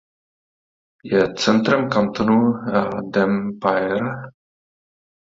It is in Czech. Je centrem kantonu Dampierre.